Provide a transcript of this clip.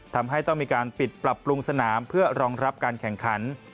ทำให้ต้องมีการปิดปรับปรุงสนามเพื่อรองรับการแข่งขัน